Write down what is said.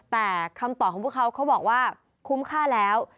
แต่คำตอบของพวกเขาเขาบอกว่าคุ้มค่าแล้ว